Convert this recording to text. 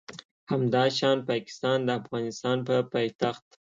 همداشان پاکستان د افغانستان په پایتخت